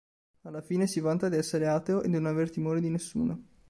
Alla fine si vanta di essere ateo e di non aver timore di nessuno.